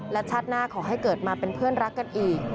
และชาติหน้าขอให้เกิดมาเป็นเพื่อนรักกันอีก